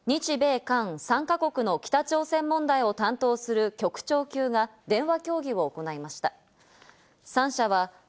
こうした中、日米韓３か国の北朝鮮問題を担当する局長級が電話協議を行いました。